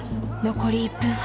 残り１分半。